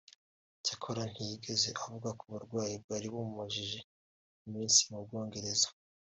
icyakora ntiyigeze avuga ku burwayi bwari bumumajije iminsi mu Bwongereza